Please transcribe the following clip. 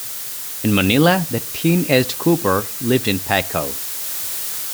In Manila, the teenaged Cooper lived in Paco.